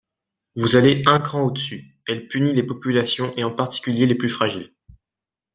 Vous allez un cran au-dessus : elle punit les populations et en particulier les plus fragiles.